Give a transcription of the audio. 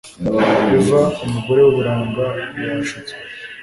Eva, umugore w’uburanga yashutswe